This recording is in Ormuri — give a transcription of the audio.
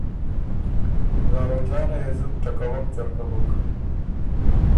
زاروجانه يې زُت ټکوَک ځرکۀ بُک۔